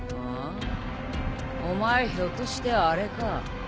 ああお前ひょっとしてあれか。